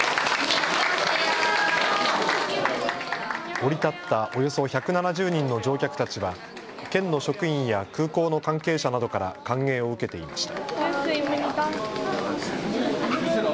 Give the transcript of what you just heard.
降り立ったおよそ１７０人の乗客たちは県の職員や空港の関係者などから歓迎を受けていました。